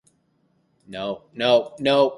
Antrim station is on the Belfast-Derry railway line.